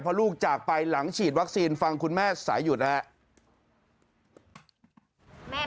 เพราะลูกจากไปหลังฉีดวัคซีนฟังคุณแม่สายหยุดนะครับ